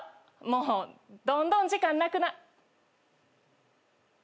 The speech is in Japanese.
もうどんどん時間なくな。